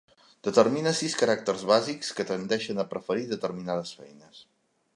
Determina sis caràcters bàsics, que tendeixen a preferir determinades feines.